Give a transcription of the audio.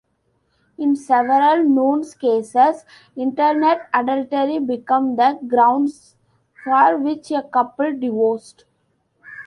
In several known cases, Internet adultery became the grounds for which a couple divorced.